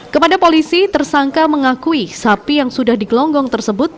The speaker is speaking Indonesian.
kepada polisi tersangka mengakui sapi yang sudah digelonggong tersebut